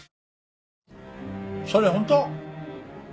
それ本当！？